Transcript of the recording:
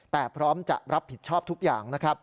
แต่พร้อมจะรับผิดชอบทุกอย่าง